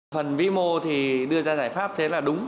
phần vĩ mô thì đưa ra giải pháp thế là đúng